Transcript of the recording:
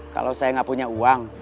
kalau saya nggak punya uang